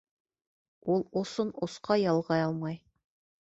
Ул осон-осҡа ялғай алмай